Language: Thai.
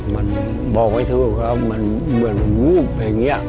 มันบอกไม่ถูกครับมันเหมือนวูบอย่างนี้